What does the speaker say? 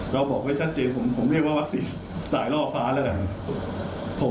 บอกไว้ชัดเจนผมเรียกว่าวัคซีนสายล่อฟ้าแล้วกัน